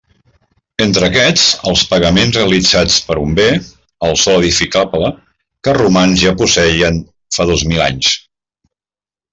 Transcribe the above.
Entre aquests, els pagaments realitzats per un bé, el sòl edificable, que els romans ja posseïen fa dos mil anys.